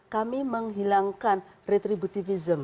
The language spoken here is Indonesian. kami menghilangkan retributivism